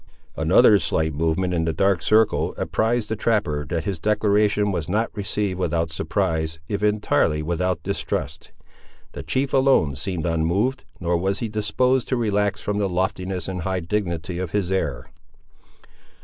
Another slight movement in the dark circle apprised the trapper that his declaration was not received without surprise, if entirely without distrust. The chief alone seemed unmoved; nor was he disposed to relax from the loftiness and high dignity of his air.